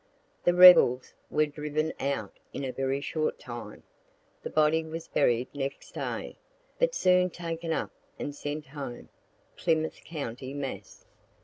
The rebels were driven out in a very short time. The body was buried next day, but soon taken up and sent home, (Plymouth county, Mass.)